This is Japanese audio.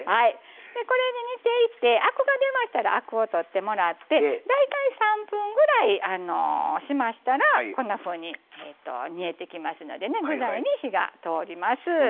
これで、煮ていってアクが出てきたらアクを取ってもらって大体３分ぐらいしましたら煮えてきますので具材に火が通ります。